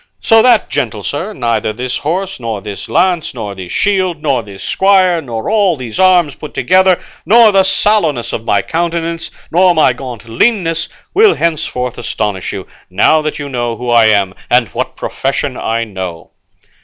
So that, gentle sir, neither this horse, nor this lance, nor this shield, nor this squire, nor all these arms put together, nor the sallowness of my countenance, nor my gaunt leanness, will henceforth astonish you, now that you know who I am and what profession I follow."